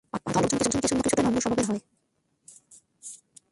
পান খাওয়া লোকজন কি কিছুটা নম্র স্বভাবের হয়?